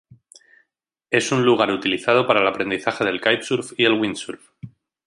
Es un lugar utilizado para el aprendizaje del kitesurf y el windsurf.